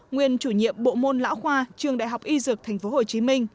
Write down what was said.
nguyên chủ nhiệm bộ môn lão khoa trường đại học y dược tp hcm